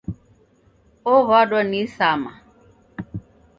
Ow'adwa ni isama